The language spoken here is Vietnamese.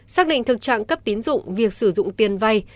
xác định thực trạng cấp tín dụng việc sử dụng tiền vay